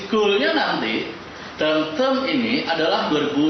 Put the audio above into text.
goalnya nanti dalam term ini adalah dua ribu sembilan belas